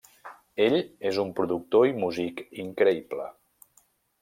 Ell és un productor i músic increïble.